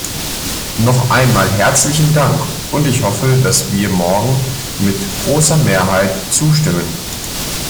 Noch einmal herzlichen Dank, und ich hoffe, dass wir morgen mit großer Mehrheit zustimmen.